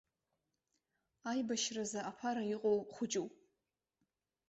Аибашьразы аԥара иҟоу хәыҷуп.